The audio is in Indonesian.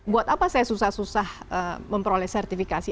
buat apa saya susah susah memperoleh sertifikasi